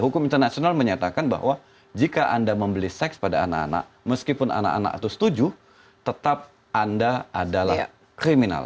hukum internasional menyatakan bahwa jika anda membeli seks pada anak anak meskipun anak anak itu setuju tetap anda adalah kriminal